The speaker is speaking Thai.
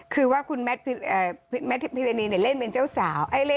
คือว่าคุณแมทพิรณีเล่นเป็นเจ้าสาว